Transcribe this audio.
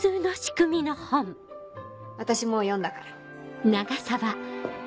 私もう読んだから。